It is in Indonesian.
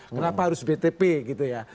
kenapa harus btp gitu ya